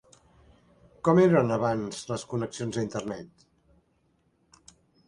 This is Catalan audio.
Com eren abans les connexions a internet?